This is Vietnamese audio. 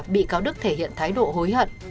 bị cáo đức thể hiện thái độ hối hận